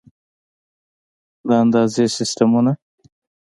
د اندازې سیسټمونه